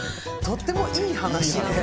とってもいい話なんで。